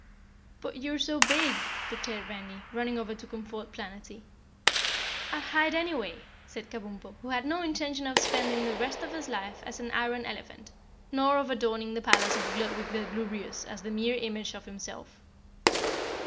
"But you're so big," declared Randy, running over to comfort Planetty. "I'll hide anyway!" said Kabumpo, who had no intention of spending the rest of his life as an iron elephant, nor of adorning the palace of Gludwig the Glubrious as the mere image of himself.